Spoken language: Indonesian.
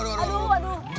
tuh tuh tuh